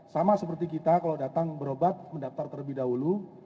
sama seperti kita kalau datang berobat mendaftar terlebih dahulu